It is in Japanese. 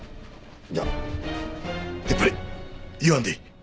いややっぱり言わんでいい！